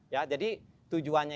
ya jadi tujuannya